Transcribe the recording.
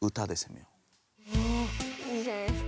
おいいじゃないですか。